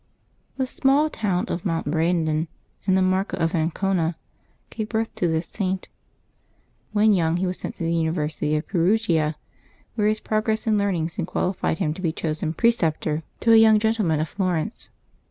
^<HB small town of Montbrandon, in the Marca of An V / cona, gave birth to this Saint. When young he was sent to the University of Perugia, where his progress in learning soon qualified him to be chosen preceptor to a 368 LIVES OF THE SAINTS [Novembeb 29~ young gentleman of Florence.